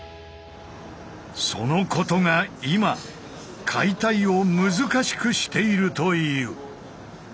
そのことが今解体を難しくしているという。